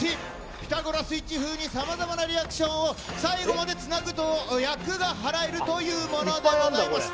ピタゴラスイッチ風にさまざまなリアクションを最後までつなぐと厄が払えるというものでございます。